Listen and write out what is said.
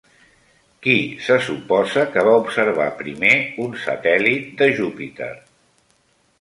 Qui se suposa que va observar primer un satèl·lit de Júpiter?